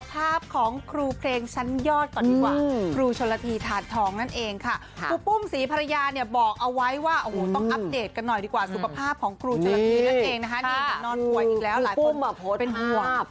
ภาพของครูเพลงชั้นยอดก่อนดีกว่าครูชนละทีถาดทองนั่นเองค่ะครูปุ้มศรีภรรยาเนี่ยบอกเอาไว้ว่าโอ้โหต้องอัปเดตกันหน่อยดีกว่าสุขภาพของครูชนละทีนั่นเองนะคะนี่นอนป่วยอีกแล้วหลายปุ่มเป็นห่วง